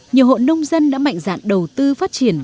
nhiều hộ nông dân đã mạnh dạn đầu tư phát triển